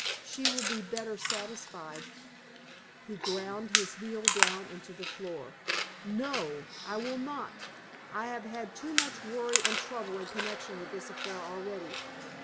"She will be better satisfied." He ground his heel down into the floor. "No! I will not! I have had too much worry and trouble in connection with this affair already.